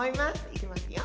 いきますよ。